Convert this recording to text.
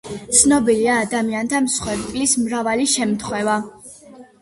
ცნობილია ადამიანთა მსხვერპლის მრავალი შემთხვევა.